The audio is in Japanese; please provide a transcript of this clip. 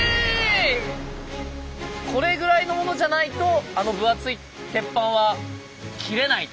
これぐらいのものじゃないとあの分厚い鉄板は切れないという。